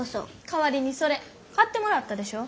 代わりにそれ買ってもらったでしょ。